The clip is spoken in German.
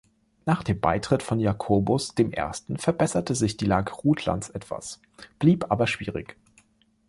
Nach dem Beitritt von Jakobus dem Ersten verbesserte sich die Lage Rutlands etwas, blieb aber schwierig.